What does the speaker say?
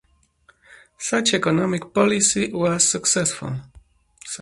Such economic policy was successful.